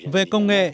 về công nghệ